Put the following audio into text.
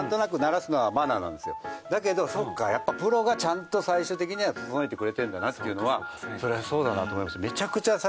だけどそうかやっぱプロがちゃんと最終的には整えてくれてるんだなっていうのはそりゃそうだなと思います。